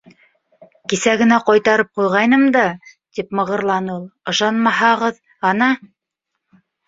- Кисә генә ҡайтарып ҡуйғайным да, - тип мығырланы ул, - ышанмаһағыҙ ана...